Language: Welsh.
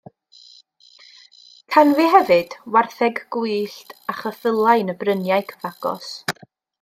Canfu hefyd wartheg gwyllt a cheffylau yn y bryniau cyfagos.